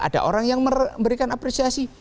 ada orang yang memberikan apresiasi